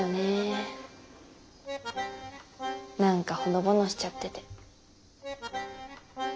なんかほのぼのしちゃってて。